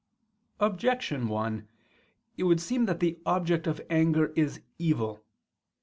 Objection 1: It would seem that the object of anger is evil.